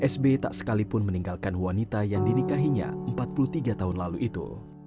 sb tak sekalipun meninggalkan wanita yang dinikahinya empat puluh tiga tahun lalu itu